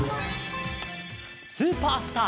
スーパースター！